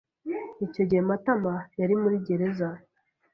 Icyo gihe Matama yari muri gereza.